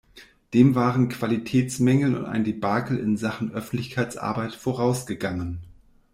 Dem waren Qualitätsmängel und ein Debakel in Sachen Öffentlichkeitsarbeit vorausgegangen.